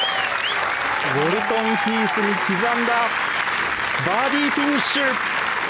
ウォルトンヒースに刻んだバーディーフィニッシュ。